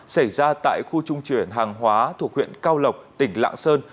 xảy ra tại khu trung chuyển hàng hóa thuộc huyện cao lộc tỉnh lạng sơn